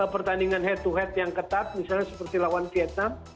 pertandingan head to head yang ketat misalnya seperti lawan vietnam